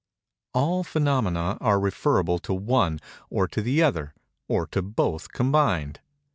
_ All phænomena are referable to one, or to the other, or to both combined.